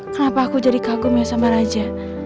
kenapa aku jadi kagum ya sabar aja